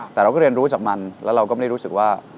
แต่เราก็เรียนรู้จากมันแล้วเราก็ไม่ได้รู้สึกว่า